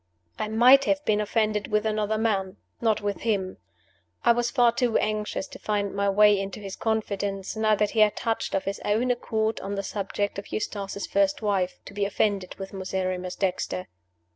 I might have been offended with another man. Not with him. I was far too anxious to find my way into his confidence now that he had touched of his own accord on the subject of Eustace's first wife to be offended with Miserrimus Dexter.